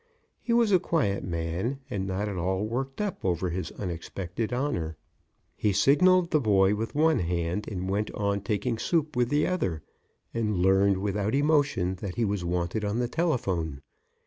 He was a quiet man and not at all worked up over his unexpected honor. He signaled the boy with one hand and went on taking soup with the other, and learned, without emotion, that he was wanted on the telephone.